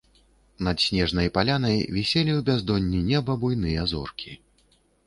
Над снежнай палянай віселі ў бяздонні неба буйныя зоркі.